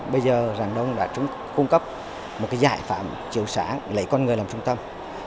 bây giờ ràng đông đã cung cấp một giải pháp chiều sáng lấy con người làm trung tâm